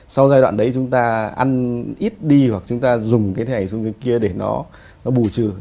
sau giai đoạn đấy chúng ta ăn ít đi hoặc chúng ta dùng cái thẻ dùng cái kia để nó bù trừ